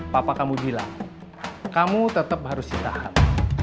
papa kamu bilang kamu tetap harus ditahan